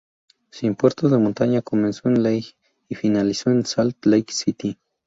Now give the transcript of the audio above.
Sin puertos de montaña, comenzó en Lehi y finalizó en Salt Lake City.